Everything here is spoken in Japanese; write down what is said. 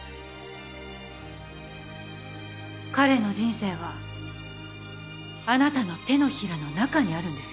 彼の人生はあなたの手のひらの中にあるんですよ。